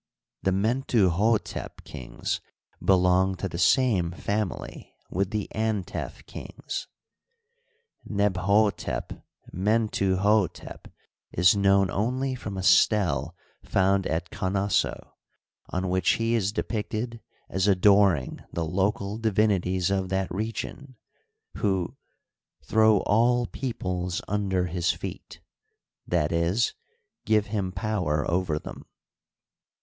The Mentuh6tep kings belong to the same fami ly with the Antef kings. Nebkdtep Mentuhdtep is known only from a stele found at Konosso, on which he is de picted as adoring the local divinities of that region, who "throw all peoples under his feet "— i. e., give him power over them.